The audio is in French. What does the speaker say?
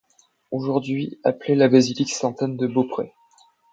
Aujourd'hui appelé la Basilique Sainte-Anne-de-Beaupré.